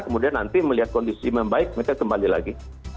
kemudian nanti melihat kondisi membaik mereka kembali lagi